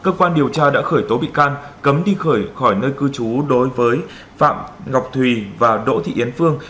cơ quan điều tra đã khởi tố bị can cấm đi khỏi nơi cư trú đối với phạm ngọc thùy và đỗ thị yến phương